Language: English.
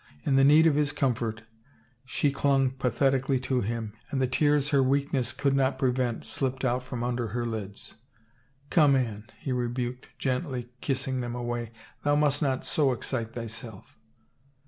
In the need of his comfort she clung pathetically to him and the tears her weakness could not prevent slipped out under her lids. " Come, Anne," he rebuked gently, kissing them away. Thou must not so excite thyself."